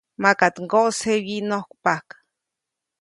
-Makaʼt ŋgoʼsje wyinojkpajk.-